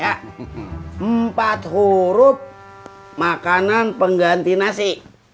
empat huruf makanan pengganti nasi